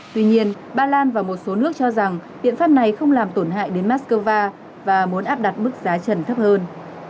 tuy nhiên ba lan và một số nước cho rằng biện pháp này không làm tổn hại đến moscow và muốn áp đặt mức giá trần thấp hơn